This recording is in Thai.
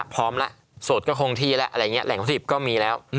พร้อมแล้วโสดก็คงทีแล้วแหล่งพฤติบก็มีแล้ว